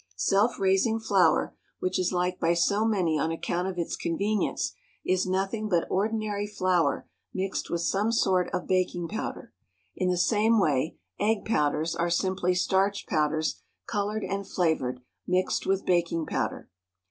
Self raising flour, which is liked by so many on account of its convenience, is nothing but ordinary flour mixed with some sort of baking powder; in the same way egg powders are simply starch powders, coloured and flavoured, mixed with baking powder.